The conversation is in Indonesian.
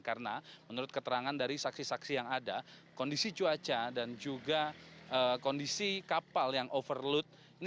karena menurut keterangan dari saksi saksi yang ada kondisi cuaca dan juga kondisi kapal yang diberikan oleh pihak kepolisian ini